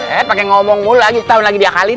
eh pake ngomong mulu lagi setahun lagi diakalin